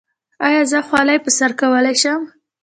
ایا زه خولۍ په سر کولی شم؟